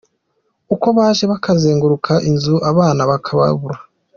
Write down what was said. Uko baje bakazenguruka inzu abana bakababura.